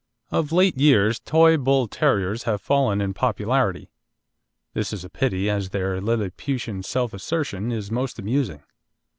Of late years Toy Bull terriers have fallen in popularity. This is a pity, as their lilliputian self assertion is most amusing.